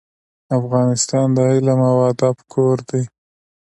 افغانستان د علم او ادب کور دی.